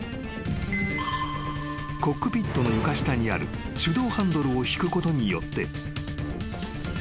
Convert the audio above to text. ［コックピットの床下にある手動ハンドルを引くことによって］